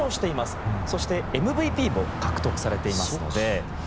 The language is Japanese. そしてＭＶＰも獲得されていますので。